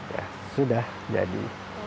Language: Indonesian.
ya sudah jadi